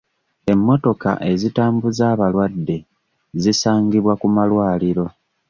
Emmotoka ezitambuza abalwadde zisangibwa ku malwaliro.